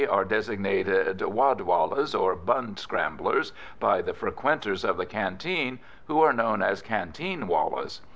are designated "wad wallahs," or "bun scramblers," by the frequenters of the canteen, who are known as "canteen wallahs."